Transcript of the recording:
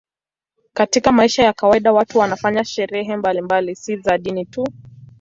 Katika maisha ya kawaida watu wanafanya sherehe mbalimbali, si za dini tu.